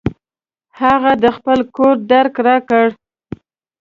هغه د خپل کور درک راکړ.